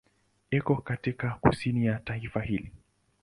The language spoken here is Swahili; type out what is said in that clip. Iko katika kusini ya taifa hili.